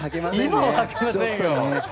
今ははけませんよ。